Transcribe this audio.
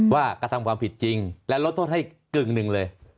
กระทำความผิดจริงและลดโทษให้กึ่งหนึ่งเลย